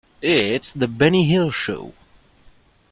It's "The Benny Hill Show!".